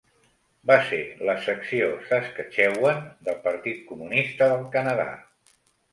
Va ser la secció Saskatchewan del Partit Comunista del Canadà.